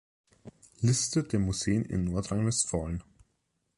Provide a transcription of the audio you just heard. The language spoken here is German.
Liste der Museen in Nordrhein-Westfalen